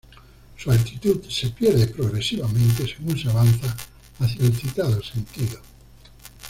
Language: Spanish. Su altitud se pierde progresivamente según se avanza hacia el citado sentido.